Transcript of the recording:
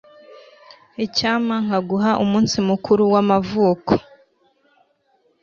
Icyampa nkaguha umunsi mukuru w'amavuko.